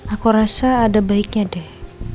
aku rasa ada baiknya deh